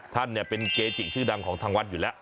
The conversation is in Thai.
ท่านเป็นเกจิชื่อดังของทางวัดอยู่แล้ว